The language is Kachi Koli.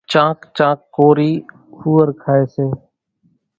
چانڪ چانڪ ڪورِي ۿوُئر پاريَ سي۔